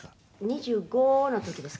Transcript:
「２５の時ですか？